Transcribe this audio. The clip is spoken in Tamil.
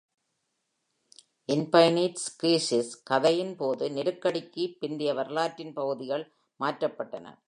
"இன்பைனிட் கிரீஸிஸ்" கதையின் போது, நெருக்கடிக்கு பிந்தைய வரலாற்றின் பகுதிகள் மாற்றப்பட்டன.